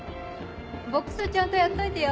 ボックスちゃんとやっといてよ。